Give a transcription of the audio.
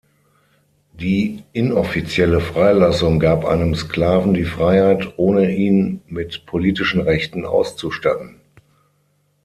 Die "inoffizielle" Freilassung gab einem Sklaven die Freiheit, ohne ihn mit politischen Rechten auszustatten.